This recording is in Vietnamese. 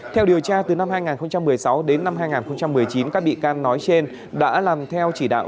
theo điều tra từ năm hai nghìn một mươi sáu đến năm hai nghìn một mươi chín các bị can nói trên đã làm theo chỉ đạo